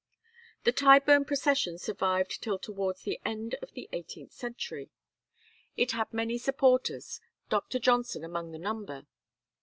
The Tyburn procession survived till towards the end of the eighteenth century. It had many supporters, Doctor Johnson among the number.